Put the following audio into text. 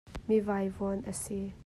Mi vaivuan a si.